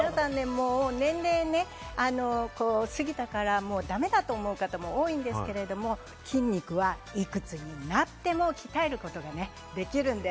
はい、皆さん年々過ぎたからだめだと思う方も多いんですけど、筋肉はいくつになっても鍛えることができるんです。